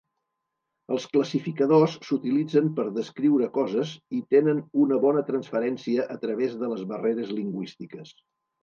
Els classificadors s'utilitzen per descriure coses i tenen una bona transferència a través de les barreres lingüístiques.